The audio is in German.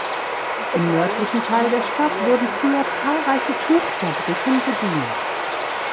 Im nördlichen Teil der Stadt wurden früher zahlreiche Tuchfabriken bedient.